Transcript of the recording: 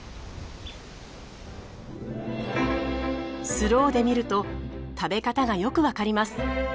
スローで見ると食べ方がよくわかります。